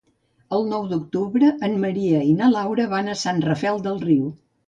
El nou d'octubre en Maria i na Laura van a Sant Rafel del Riu.